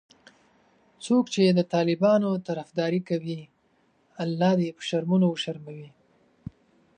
څوک چې د طالبانو طرفداري کوي الله دي په شرمونو وشرموي